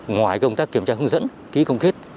ngoài công tác kiểm tra hướng dẫn ký công kết